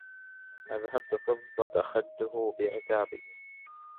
أذهبت فضة خده بعتابي